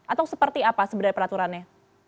atau seperti apa sebenarnya peraturannya